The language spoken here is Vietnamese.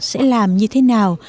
sẽ làm như thế nào